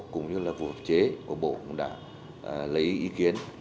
cũng như là của hợp chế của bộ cũng đã lấy ý kiến